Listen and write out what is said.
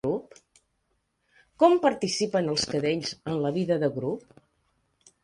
Com participen els cadells en la vida de grup?